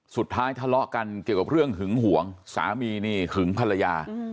ทะเลาะกันเกี่ยวกับเรื่องหึงห่วงสามีนี่หึงภรรยา